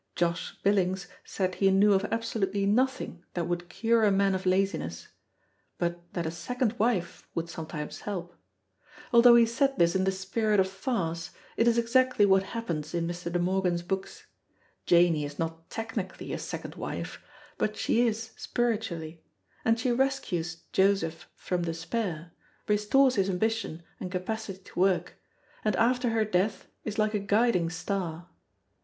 Josh Billings said he knew of absolutely nothing that would cure a man of laziness; but that a second wife would sometimes help. Although he said this in the spirit of farce, it is exactly what happens in Mr. De Morgan's books. Janey is not technically a second wife, but she is spiritually; and she rescues Joseph from despair, restores his ambition and capacity to work, and after her death is like a guiding star.